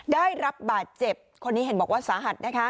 ได้รับบาดเจ็บคนนี้เห็นบอกว่าสาหัสนะคะ